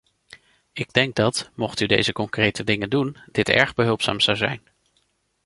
Ik denk dat, mocht u deze concrete dingen doen, dit erg behulpzaam zou zijn.